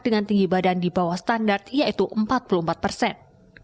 dengan tinggi badan di bawah standar yaitu empat puluh empat persen